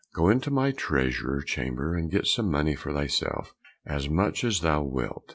Go into my treasure chamber and get some money for thyself, as much as thou wilt."